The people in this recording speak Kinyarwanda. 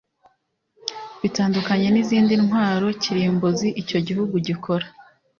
bitandukanye n’izindi ntwaro kirimbuzi icyo gihugu gikora